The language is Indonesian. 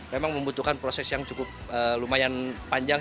memang membutuhkan proses yang cukup lumayan panjang